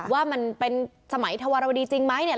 ว่ามันเป็นสมัยธวรวดีจริงไหมเนี่ย